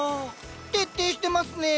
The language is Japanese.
徹底してますねえ。